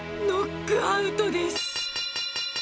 ノックアウトです。